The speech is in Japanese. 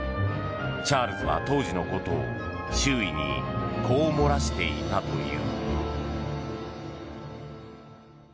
チャールズは当時のことを周囲にこう漏らしていたという。